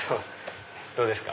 どうですか？